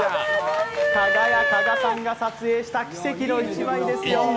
かが屋、加賀さんが撮影した奇跡の一枚ですよ。